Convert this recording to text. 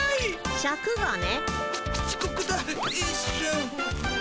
シャクがね。